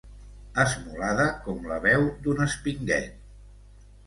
Esmolada com la veu d'un espinguet.